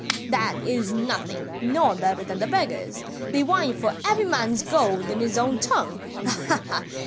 "Pooh! that is nothing; no one better than the beggars, they whine for every man's gold in his own tongue. Ha, ha!